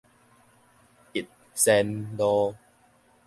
逸仙路